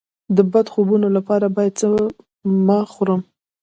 د بد خوبونو لپاره باید څه مه خورم؟